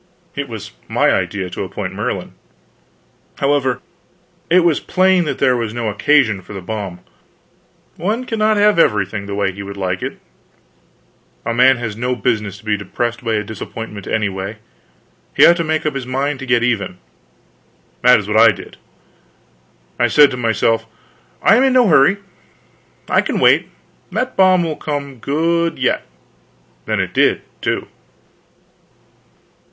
It was my idea to appoint Merlin. However, it was plain that there was no occasion for the bomb. One cannot have everything the way he would like it. A man has no business to be depressed by a disappointment, anyway; he ought to make up his mind to get even. That is what I did. I said to myself, I am in no hurry, I can wait; that bomb will come good yet. And it did, too.